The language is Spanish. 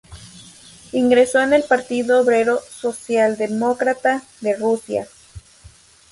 Ingresó en el Partido Obrero Socialdemócrata de Rusia.